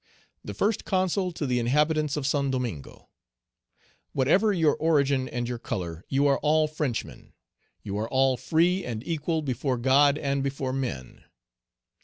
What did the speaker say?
"THE FIRST CONSUL TO THE INHABITANTS OF SAINT DOMINGO. "Whatever your origin and your color, you are all Frenchmen; you are all free and equal before God and before men.